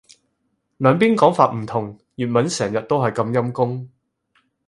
兩邊講法唔同。粵文成日都係咁陰功